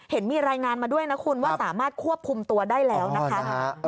เห็นมีรายงานมาด้วยนะคุณว่าสามารถควบคุมตัวได้แล้วนะคะ